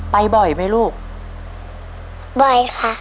ไปบ่อยไหมลูกบ่อยค่ะ